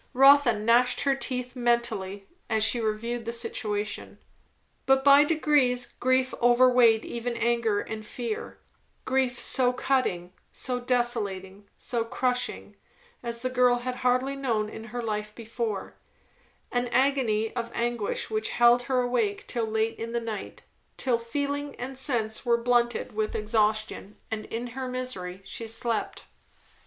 Rotha gnashed her teeth, mentally, as she reviewed the situation. But by degrees grief overweighed even anger and fear; grief so cutting, so desolating, so crushing, as the girl had hardly known in her life before; an agony of anguish which held her awake till late in the night; till feeling and sense were blunted with exhaustion, and in her misery she slept.